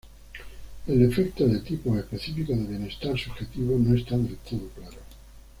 El efecto de tipos específicos de bienestar subjetivo no está del todo claro.